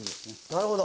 なるほど。